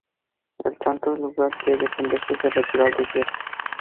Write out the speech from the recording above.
El santo en lugar de defenderse se retiró al desierto.